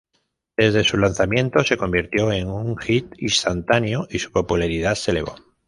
Desde su lanzamiento, se convirtió en un hit instantáneo y su popularidad se elevó.